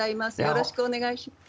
よろしくお願いします。